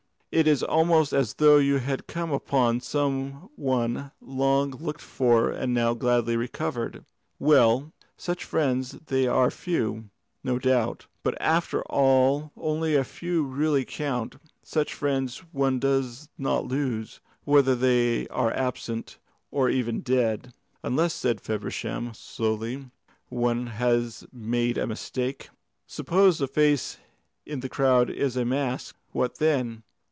It is almost as though you had come upon some one long looked for and now gladly recovered. Well, such friends they are few, no doubt, but after all only the few really count such friends one does not lose, whether they are absent, or even dead." "Unless," said Feversham, slowly, "one has made a mistake. Suppose the face in the crowd is a mask, what then?